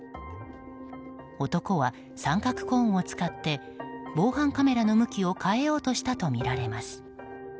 男は三角コーンを使って防犯カメラの向きを変えようとしたとみられます。